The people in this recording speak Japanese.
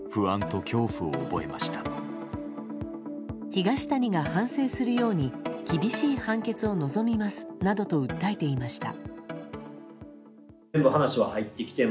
東谷が反省するように厳しい判決を望みますなどと訴えていました。